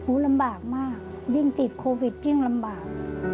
ลำบากมากยิ่งติดโควิดยิ่งลำบาก